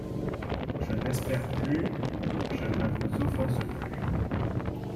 Je n’espère plus … je ne vous offense plus.